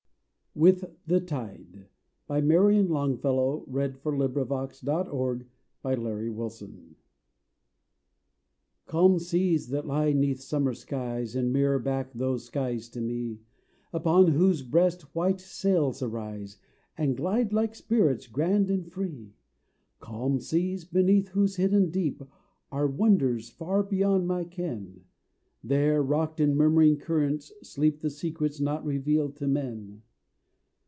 restless sea We too glide on, as phantoms all, this side Eternity! WITH THE TIDE Calm seas that lie 'neath summer skies And mirror back those skies to me, Upon whose breast white sails arise And glide like spirits grand and free. Calm seas beneath whose hidden deep Are wonders far beyond my ken, There, rocked in murmuring currents, sleep The secrets not revealed to men!